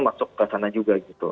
masuk ke sana juga gitu